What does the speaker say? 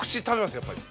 やっぱり。